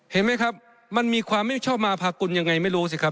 เห็นไหมครับมันมีความไม่ชอบมาพากุลยังไงไม่รู้สิครับ